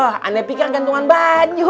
saya pikir gantungan baju